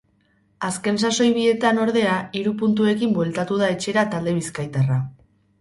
Azken sasoi bietan, ordea, hiru puntuekin bueltatu da etxera talde bizkaitarra.